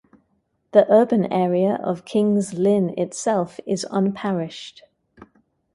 The urban area of King's Lynn itself is unparished.